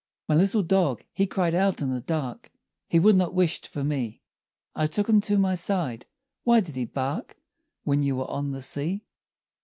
My little dog he cried out in the dark, He would not whisht for me: I took him to my side—why did he bark When you were on the sea?